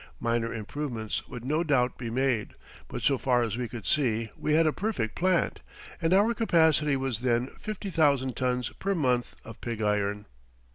Minor improvements would no doubt be made, but so far as we could see we had a perfect plant and our capacity was then fifty thousand tons per month of pig iron.